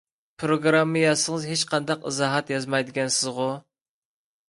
پىروگرامما يازسىڭىز ھېچقانداق ئىزاھات يازمايدىكەنسىزغۇ!